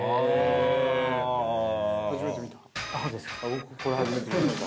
◆僕、これ初めて見ました。